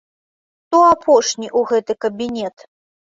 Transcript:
Хто апошні ў гэты кабінет?